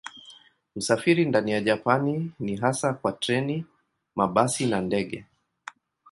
Usafiri ndani ya Japani ni hasa kwa treni, mabasi na ndege.